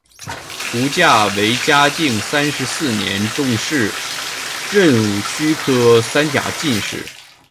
胡价为嘉靖三十四年中式壬戌科三甲进士。